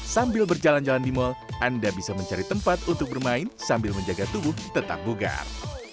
sambil berjalan jalan di mal anda bisa mencari tempat untuk bermain sambil menjaga tubuh tetap bugar